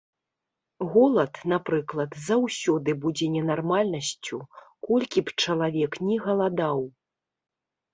Голад, напрыклад, заўсёды будзе ненармальнасцю, колькі б чалавек ні галадаў.